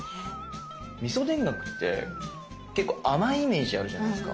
みそ田楽って結構甘いイメージあるじゃないですか。